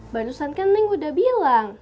barusan kan neng udah bilang